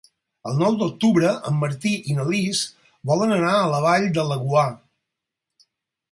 El nou d'octubre en Martí i na Lis volen anar a la Vall de Laguar.